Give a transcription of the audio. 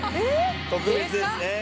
特別ですね。